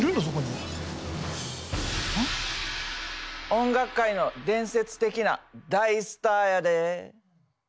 音楽界の伝説的な大スターやで。